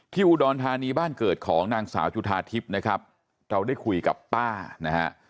อุดรธานีบ้านเกิดของนางสาวจุธาทิพย์นะครับเราได้คุยกับป้านะฮะ